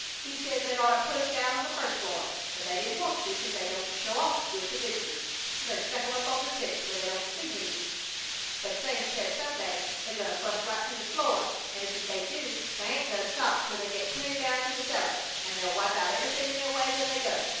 He says they'd oughtta put 'em down on the first floor; but they didn't want to 'cause they don't show off good to visitors, so they stuck 'em up on the sixth, where they don't many see 'em. But Sam says some day they're goin' to bust right through the floor, an' ef they do, they ain't gonta stop till they get clear down to the cellar, an' they'll wipe out everythin' in their way when they go!